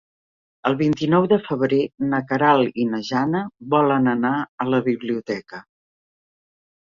El vint-i-nou de febrer na Queralt i na Jana volen anar a la biblioteca.